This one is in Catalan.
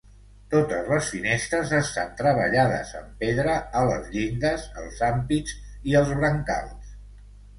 Totes les finestres estan treballades en pedra a les llindes, els ampits i els brancals.